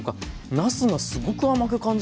なすがすごく甘く感じるんですね。